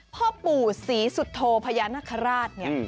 พ่อปู่ศรีสุโธพญานาคาราชเนี่ย